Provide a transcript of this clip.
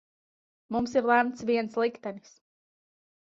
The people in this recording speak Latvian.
Mums ir lemts viens liktenis.